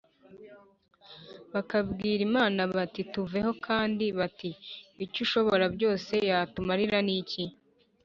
bakabwira imana bati tuveho’ kandi bati ‘icyo ishoborabyose yatumarira ni iki